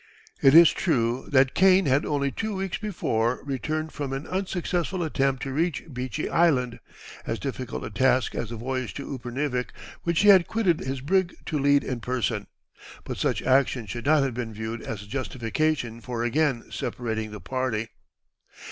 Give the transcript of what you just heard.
It is true that Kane had only two weeks before returned from an unsuccessful attempt to reach Beechy Island, as difficult a task as the voyage to Upernivik, which he had quitted his brig to lead in person; but such action should not have been viewed as a justification for again separating the party.